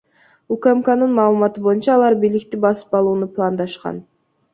УКМКнын маалыматы боюнча, алар бийликти басып алууну пландашкан.